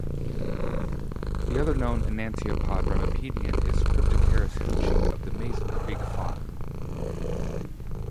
The other known enantiopod remipedian is "Cryptocaris hootchi" of the Mazon Creek fauna.